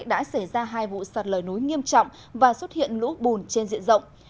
đã xảy ra hai vụ sạt lở núi nghiêm trọng và xuất hiện lũ bùn trên diện rộng